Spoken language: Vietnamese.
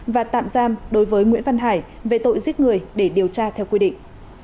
và tạm giam đối với nguyễn văn hải về tội giết người để điều tra theo quy định